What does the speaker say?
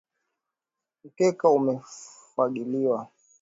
Mkeka umefagiliwa